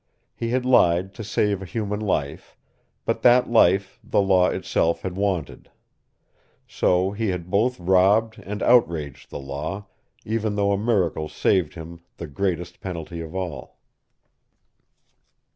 He had lied to save a human life, but that life the Law itself had wanted. So he had both robbed and outraged the Law, even though a miracle saved him the greatest penalty of all.